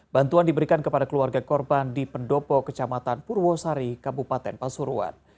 bantuan diberikan kepada keluarga korban di pendopo kecamatan purwosari kabupaten pasuruan